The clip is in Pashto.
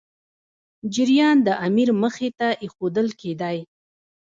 جریان د امیر مخي ته ایښودل کېدی.